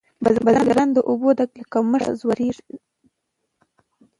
بزګران د اوبو له کمښت ځوریږي.